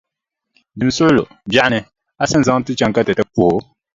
Dimi suɣulo, biɛɣuni, a sa ni zaŋ ti chaŋ ka ti ti puhi o?